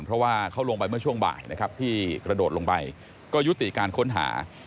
เพราะว่าเขาลงไปเมื่อช่วงบ่ายนะครับที่กระโดดลงไปก็ยุติการค้นหา